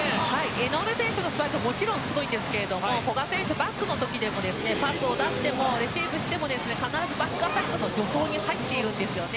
井上選手のスパイクもちろんすごいんですけど古賀選手バックの時でもパスを出してもレシーブしても必ずバックアタックの助走に入ってるんです。